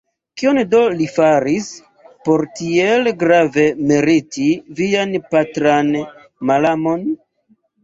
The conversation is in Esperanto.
Kion do li faris, por tiel grave meriti vian patran malamon?